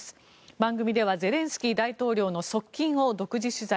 番組ではゼレンスキー大統領の側近を独自取材。